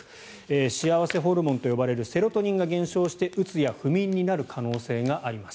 幸せホルモンと呼ばれるセロトニンが減少してうつや不眠になる可能性があります。